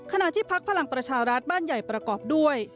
ที่พักพลังประชารัฐบ้านใหญ่ประกอบด้วย